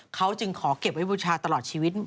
เขาจึงขอเก็บไว้บูชาตลอดชีวิต